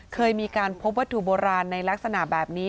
เคยมีการพบวัตถุโบราณในลักษณะแบบนี้